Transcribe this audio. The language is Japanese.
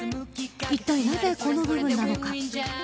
いったい、なぜこの部分なのか。